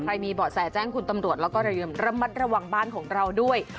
มีเบาะแสแจ้งคุณตำรวจแล้วก็ระลืมระมัดระวังบ้านของเราด้วย